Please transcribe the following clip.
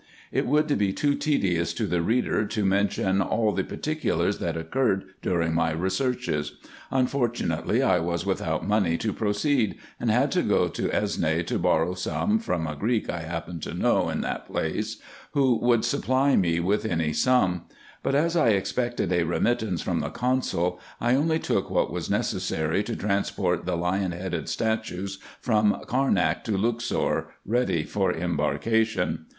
It would be too tedious to the reader, to mention all the par ticulars that occurred during my researches. Unfortunately I was without money to proceed, and had to go to Esne, to borrow some from a Greek I happened to know in that place, who would supply me with any sum ; but as I expected a remittance from the Consul, I only took what was necessary to transport the lion headed statues from Carnak to Luxor, ready for embarkation.